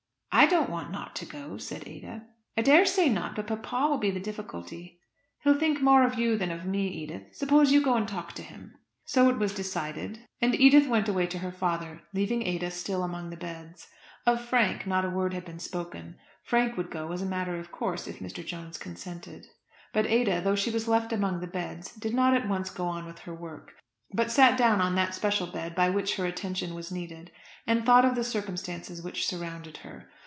"I don't want not to go," said Ada. "I daresay not; but papa will be the difficulty." "He'll think more of you than of me, Edith. Suppose you go and talk to him." So it was decided; and Edith went away to her father, leaving Ada still among the beds. Of Frank not a word had been spoken. Frank would go as a matter of course if Mr. Jones consented. But Ada, though she was left among the beds, did not at once go on with her work; but sat down on that special bed by which her attention was needed, and thought of the circumstances which surrounded her.